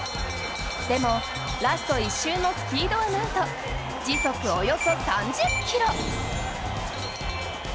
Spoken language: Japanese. でも、ラスト１周のスピードはなんと、時速およそ３０キロ。